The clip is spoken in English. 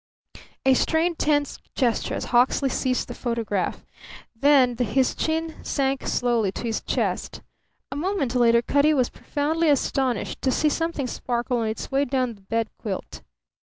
A strained, tense gesture as Hawksley seized the photograph; then his chin sank slowly to his chest. A moment later Cutty was profoundly astonished to see something sparkle on its way down the bed quilt.